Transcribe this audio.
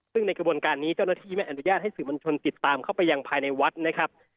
ซึ่งในกระบวนการนี้เจ้าหน้าที่ไม่อนุญาตให้สื่อมวลชนติดตามเข้าไปยังภายในวัดนะครับ